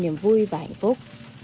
niềm vui và hạnh phúc